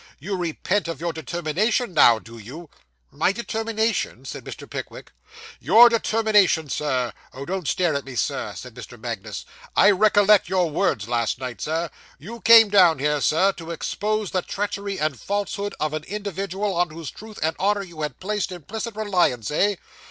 You repent of your determination now, do you?' 'My determination!' said Mr. Pickwick. 'Your determination, Sir. Oh! don't stare at me, Sir,' said Mr. Magnus; 'I recollect your words last night, Sir. You came down here, sir, to expose the treachery and falsehood of an individual on whose truth and honour you had placed implicit reliance eh?